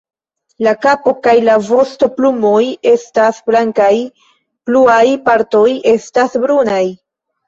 La kapo kaj la vostoplumoj estas blankaj, pluaj partoj estas brunaj.